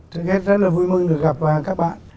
thực ra rất là vui mừng được gặp các bạn